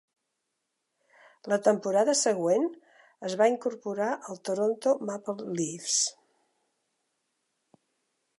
La temporada següent, es va incorporar al Toronto Maple Leafs.